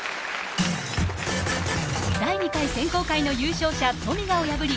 第２回選考会の優勝者を破り